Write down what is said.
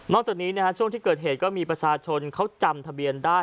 จากนี้ช่วงที่เกิดเหตุก็มีประชาชนเขาจำทะเบียนได้